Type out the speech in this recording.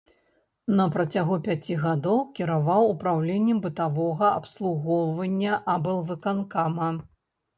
На працягу пяці гадоў кіраваў упраўленнем бытавога абслугоўвання аблвыканкама.